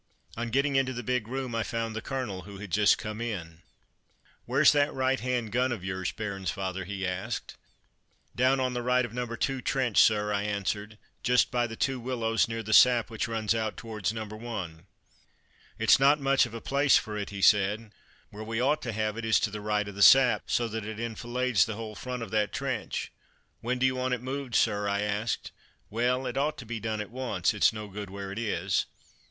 On getting into the big room I found the Colonel, who had just come in. "Where's that right hand gun of yours, Bairnsfather?" he asked. "Down on the right of Number 2 trench, sir," I answered; "just by the two willows near the sap which runs out towards Number 1." "It's not much of a place for it," he said; "where we ought to have it is to the right of the sap, so that it enfilades the whole front of that trench." "When do you want it moved, sir?" I asked. "Well, it ought to be done at once; it's no good where it is."